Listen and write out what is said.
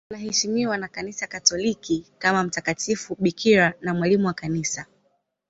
Anaheshimiwa na Kanisa Katoliki kama mtakatifu bikira na mwalimu wa Kanisa.